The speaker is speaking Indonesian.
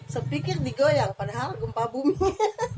sepikir digoyang padahal gempa bumi